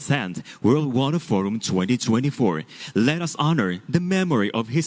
dan harga baterai untuk menyimpan energi